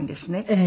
ええ。